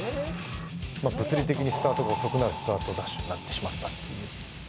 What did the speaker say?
物理的にスタートが遅くなるスタートダッシュになってしまったんですね。